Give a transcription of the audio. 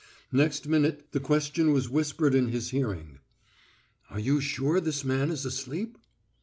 Next minute the question was whispered in his hearing: "Are you sure this man is asleep?"